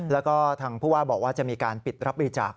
แล้วก็ทางผู้ว่าบอกว่าจะมีการปิดรับบริจาค